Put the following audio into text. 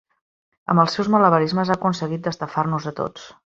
Amb els seus malabarismes ha aconseguit d'estafar-nos a tots.